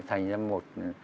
thành ra một